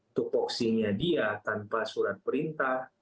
itu voksinya dia tanpa surat perintah